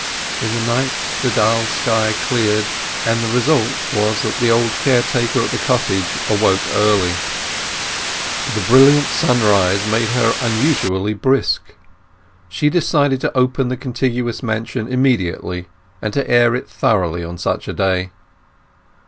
In the night the dull sky cleared, and the result was that the old caretaker at the cottage awoke early. The brilliant sunrise made her unusually brisk; she decided to open the contiguous mansion immediately, and to air it thoroughly on such a day.